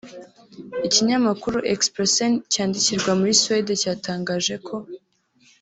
Ikinyamakuru Expressen cyandikirwa muri Suede cyatangaje ko